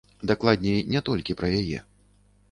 Дакладней, не толькі пра яе.